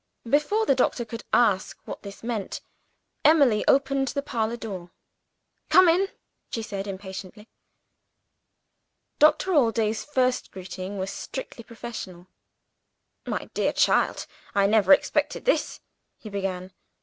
Before the doctor could ask what this meant, Emily opened the parlor door. "Come in!" she said, impatiently. Doctor Allday's first greeting was strictly professional. "My dear child, I never expected this," he began.